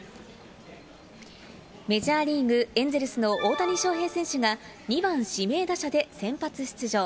メジャーリーグ・エンゼルスの大谷翔平選手が、２番指名打者で先発出場。